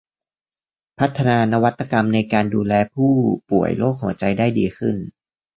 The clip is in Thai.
พัฒนานวัตกรรมในการดูแลผู้ป่วยโรคหัวใจได้ดีขึ้น